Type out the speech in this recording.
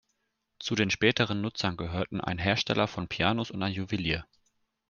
Zu den späteren Nutzern gehörten ein Hersteller von Pianos und ein Juwelier.